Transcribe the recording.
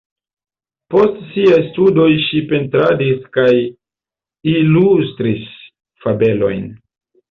Post siaj studoj ŝi pentradis kaj ilustris fabelojn.